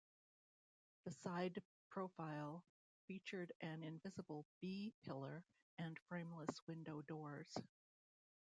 The side profile featured an invisible B-pillar and frameless-window doors.